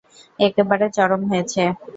একেবারে চরম হয়েছে!